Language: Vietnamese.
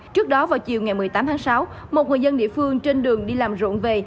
trước đó vào chiều ngày một mươi tám tháng sáu một người dân địa phương trên đường đi làm rộn về